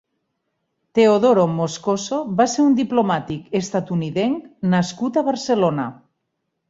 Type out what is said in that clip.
Teodoro Moscoso va ser un diplomàtic estatunidenc nascut a Barcelona.